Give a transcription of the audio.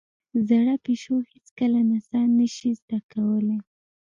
زاړه پيشو هېڅکله نڅا نه شي زده کولای.